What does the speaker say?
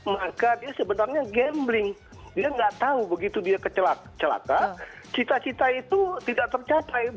maka dia sebenarnya gambling dia nggak tahu begitu dia kecelakaan cita cita itu tidak tercapai